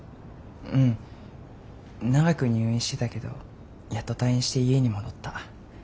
うん長く入院してたけどやっと退院して家に戻った。